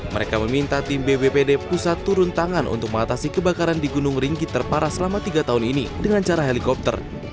mereka meminta tim bbpd pusat turun tangan untuk mengatasi kebakaran di gunung ringkit terparah selama tiga tahun ini dengan cara helikopter